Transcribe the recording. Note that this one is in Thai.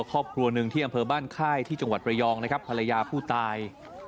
ครอบครัวหนึ่งที่อำเภอบ้านค่ายที่จังหวัดระยองนะครับภรรยาผู้ตาย